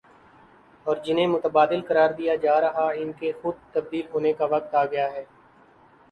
اور جنہیں متبادل قرار دیا جا رہا ان کے خود تبدیل ہونے کا وقت آ گیا ہے ۔